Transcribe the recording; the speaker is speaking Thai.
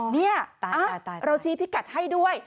นี่เราชี้พิกัดให้ด้วย